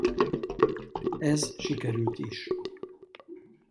Ez sikerült is.